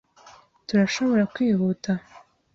Turashobora kwihuta?